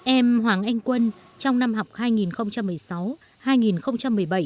em hoàng anh quân trong năm học hai nghìn một mươi sáu hai nghìn một mươi bảy